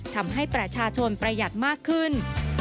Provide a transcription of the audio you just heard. ทำให้ประชาชนประหยัดมากขึ้น